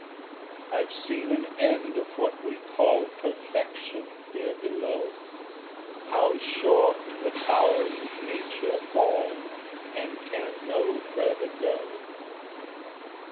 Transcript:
3 I've seen an end of what we call Perfection here below; How short the powers of nature fall, And can no farther go!